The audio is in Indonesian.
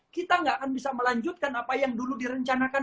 kita nggak akan bisa melanjutkan apa yang dulu direncanakan